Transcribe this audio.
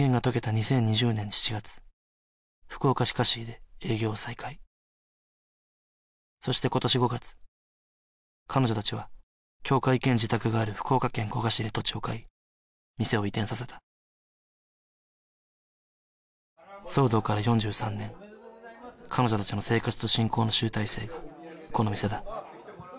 ２０２０年７月福岡市香椎で営業再開そして今年５月彼女達は教会兼自宅がある福岡県古賀市に土地を買い店を移転させた騒動から４３年彼女達の生活と信仰の集大成がこの店だ